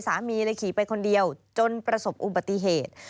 สามีเลยขี่ไปคนเดียวจนประสบอุบัติเหตุ